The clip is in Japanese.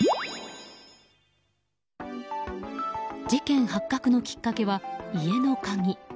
事件発覚のきっかけは家の鍵。